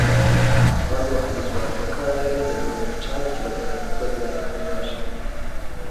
که هر وخت مسواک وکاروې، د ژوند په چارو کې به دې اساني راشي.